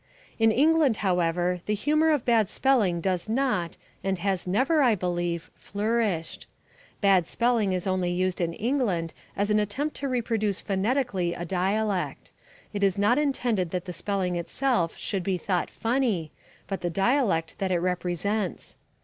In England, however, the humour of bad spelling does not and has never, I believe, flourished. Bad spelling is only used in England as an attempt to reproduce phonetically a dialect; it is not intended that the spelling itself should be thought funny, but the dialect that it represents.